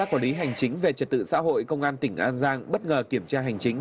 quản lý hành chính về trật tự xã hội công an tỉnh an giang bất ngờ kiểm tra hành chính